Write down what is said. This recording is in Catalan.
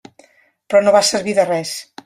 Però no va servir de res.